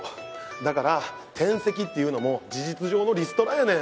だから転籍っていうのも事実上のリストラやねん。